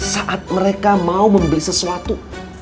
saat mereka mau membeli sesuatu